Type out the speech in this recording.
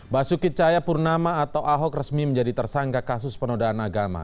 basuki cahayapurnama atau ahok resmi menjadi tersangka kasus penodaan agama